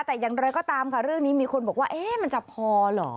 แต่ยังเลยก็ตามค่ะเรื่องนี้มีคนบอกว่าเอ๊ะมันจับคอเหรอ